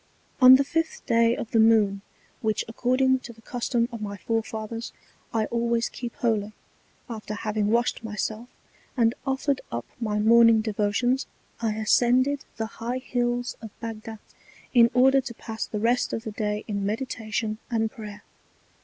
On the fifth Day of the Moon, which according to the Custom of my Forefathers I always keep holy, after having washed my self, and offered up my Morning Devotions, I ascended the high hills of Bagdat, in order to pass the rest of the Day in Meditation and Prayer.